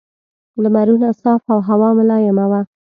لمرونه صاف او هوا ملایمه وه.